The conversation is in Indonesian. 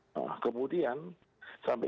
nah kemudian sampai